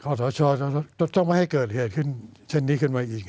พี่บังพันธ์พ่อศต้องให้เกิดเหตุเช่นนี้ขึ้นมาอีก